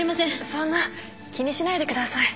そんな気にしないでください。